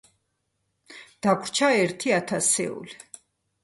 დაგვრჩა ერთი ათასეული